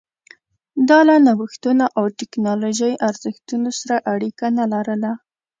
دا له نوښتونو او ټکنالوژۍ ارزښتونو سره اړیکه نه لرله